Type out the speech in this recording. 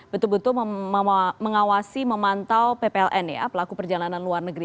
betul betul mengawasi memantau ppln ya pelaku perjalanan luar negeri